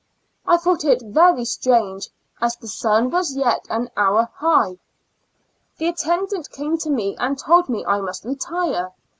''' I thought it very strange, as the sun was yet an hour high. The attendant came to me and told me I must retire.